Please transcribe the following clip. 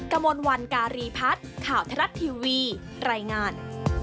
กระมวลวันการีพัฒน์ข่าวทรัฐทีวีรายงาน